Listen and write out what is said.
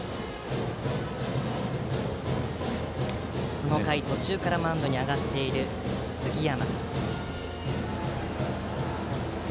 この回、途中からマウンドに上がっている、杉山。